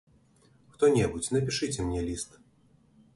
Хто-небудзь, напішыце мне ліст!